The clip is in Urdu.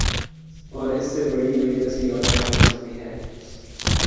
اور اس سے بڑی بے بسی اور کیا ہو سکتی ہے